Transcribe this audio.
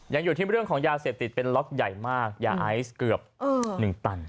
ยังอยู่ที่เรื่องของยาเสพติดเป็นล็อตใหญ่มากยาไอซ์เกือบ๑ตัน